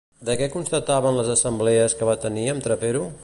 De què constaven les assemblees que va tenir amb Trapero?